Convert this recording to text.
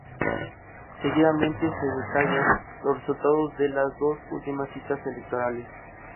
Seguidamente se detallan los resultados de las dos últimas citas electorales.